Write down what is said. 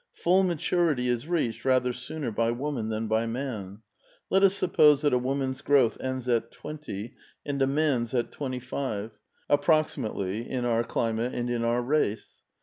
Full maturity' is reached rather sooner by woman than by man. Let us suppose that a woman's growth ends at twenty and a man's at twenty five, — approxi mately in our climate and in our race.